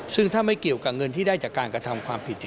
ซึ่งถ้าไม่เกี่ยวกับเงินที่ได้จากการกระทำความผิด